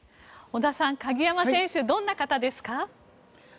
大下さん鍵山選手、どんな方ですか？